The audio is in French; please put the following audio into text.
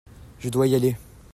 Je dois y aller.